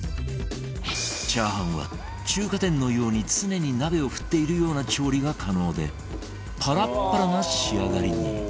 チャーハンは中華店のように常に鍋を振っているような調理が可能でパラッパラな仕上がりに